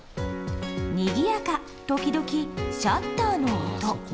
「にぎやか、ときどきシャッターの音。」